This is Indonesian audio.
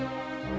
aku mau ke rumah